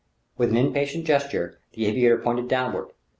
With an impatient gesture the aviator pointed downward.